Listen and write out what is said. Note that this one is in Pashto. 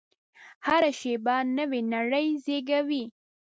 هره شېبه نوې نړۍ زېږوي.